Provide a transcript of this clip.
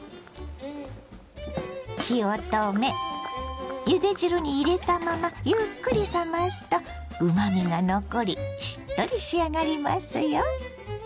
火を止めゆで汁に入れたままゆっくり冷ますとうまみが残りしっとり仕上がりますよ。